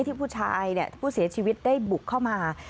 ที่ผู้ชายผู้เสียชีวิตได้บุกเข้ามา